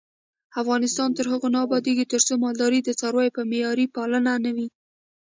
افغانستان تر هغو نه ابادیږي، ترڅو مالداري د څارویو په معیاري پالنه نه وي.